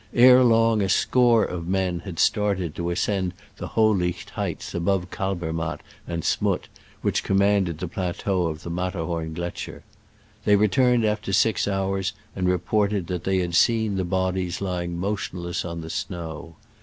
Ere long a score of men had started to ascend the Hohlicht heights, above Kalbermatt and Z'Mutt, which commanded the plateau of the Matterhorngletscher. They returned af ter six hours, and reported that they had seen the bodies lying motionless on the snow.